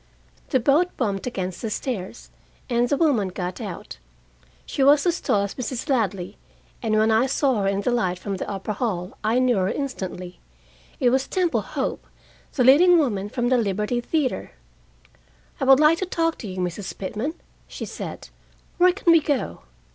The boat bumped against the stairs, and the woman got out. She was as tall as Mrs. Ladley, and when I saw her in the light from the upper hall, I knew her instantly. It was Temple Hope, the leading woman from the Liberty Theater. "I would like to talk to you, Mrs. Pitman," she said. "Where can we go?"